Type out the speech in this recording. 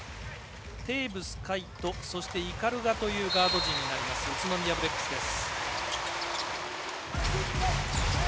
テーブス海とそして鵤というガード陣になります宇都宮ブレックスです。